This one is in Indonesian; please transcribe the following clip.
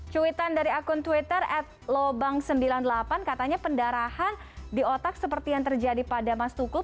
cuitan dari akun twitter at lobang sembilan puluh delapan katanya pendarahan di otak seperti yang terjadi pada mas tukul